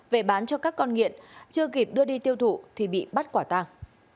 về bán cho các con nghiện chưa kịp đưa đi tiêu thụ thì bị bắt quả tàng